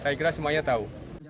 saya kira semuanya tahu